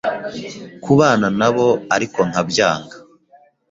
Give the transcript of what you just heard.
kubana nabo ariko nkabyanga